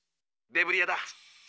デブリ屋だ。